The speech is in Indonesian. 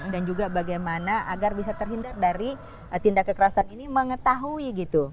dan juga bagaimana agar bisa terhindar dari tindak kekerasan ini mengetahui gitu